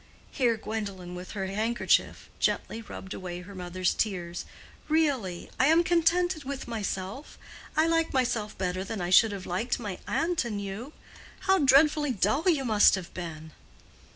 Here Gwendolen with her handkerchief gently rubbed away her mother's tears. "Really—I am contented with myself. I like myself better than I should have liked my aunt and you. How dreadfully dull you must have been!"